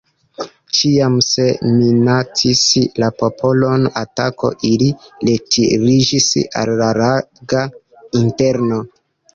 Ĉiam, se minacis la popolon atako, ili retiriĝis al la laga interno.